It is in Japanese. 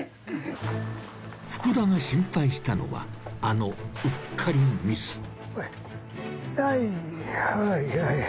福田が心配したのはあのうっかりミス。